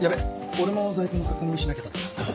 俺も在庫の確認しなきゃだったんだ。